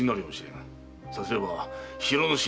さすれば広之進